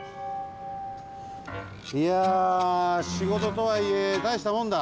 いやしごととはいえたいしたもんだ。